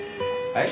はい？